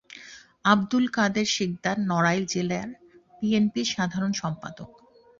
আবদুল কাদের সিকদার নড়াইল জেলা বিএনপির সাধারণ সম্পাদক।